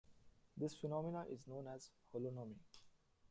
This phenomenon is known as holonomy.